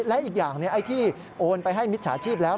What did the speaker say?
และอีกอย่างไอ้ที่โอนไปให้มิจฉาชีพแล้ว